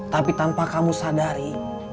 tapi tanpa kamu sadari